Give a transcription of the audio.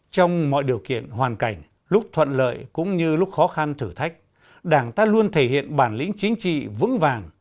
trong mọi điều kiện hoàn cảnh lúc thuận lợi cũng như lúc khó khăn thử thách đảng ta luôn thể hiện bản lĩnh chính trị vững vàng